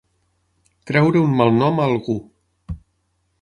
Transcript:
Treure un malnom a algú.